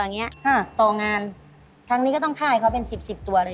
ตัวงานครั้งนี้ก็ต้องฆ่าให้เขาเป็นสิบตัวเลย